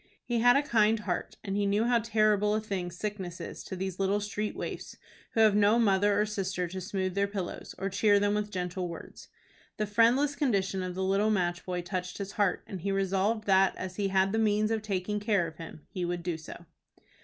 He had a kind heart, and he knew how terrible a thing sickness is to these little street waifs, who have no mother or sister to smooth their pillows, or cheer them with gentle words. The friendless condition of the little match boy touched his heart, and he resolved that, as he had the means of taking care of him, he would do so.